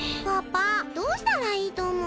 パパどうしたらいいとおもう？